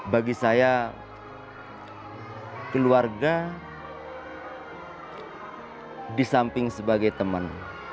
bagi saya keluarga disamping sebagai teman